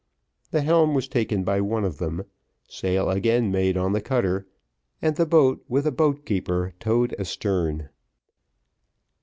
The helm was taken by one of them; sail again made on the cutter, and the boat with a boat keeper towed astern.